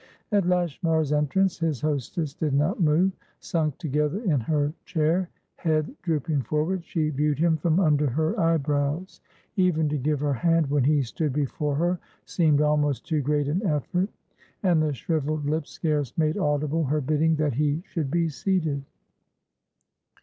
At Lashmar's entrance, his hostess did not move; sunk together in her chair, head drooping forward, she viewed him from under her eyebrows: even to give her hand when he stood before her seemed almost too great an effort, and the shrivelled lips scarce made audible her bidding that he should be seated.